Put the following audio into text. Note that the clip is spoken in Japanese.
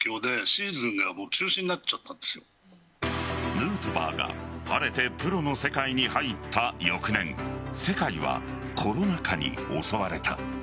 ヌートバーが晴れてプロの世界に入った翌年世界がコロナ禍に襲われた。